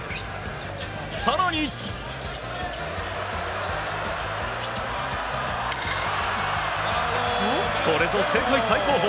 更に、これぞ世界最高峰。